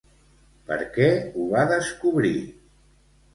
Per què ho va descobrir?